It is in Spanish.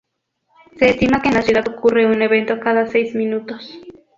Se estima que en la ciudad ocurre un evento cada seis minutos.